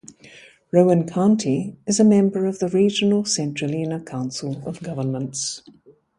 Rowan County is a member of the regional Centralina Council of Governments.